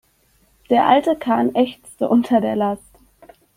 Der alte Kahn ächzte unter der Last.